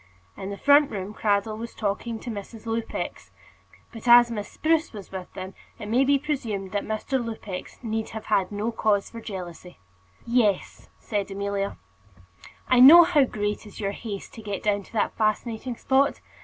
In the front room Cradell was talking to Mrs. Lupex; but as Miss Spruce was with them, it may be presumed that Mr. Lupex need have had no cause for jealousy. "Yes," said Amelia; "I know how great is your haste to get down to that fascinating spot.